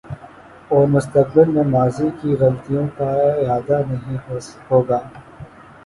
اورمستقبل میں ماضی کی غلطیوں کا اعادہ نہیں ہو گا۔